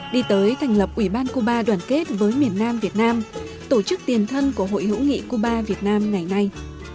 đi tới thành lập ủy ban cuba đoàn kết với miền nam việt nam tổ chức tiền thân của hội hữu nghị cuba việt nam ngày nay